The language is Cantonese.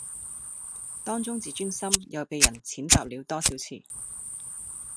當中自尊心又被人踐踏了多少次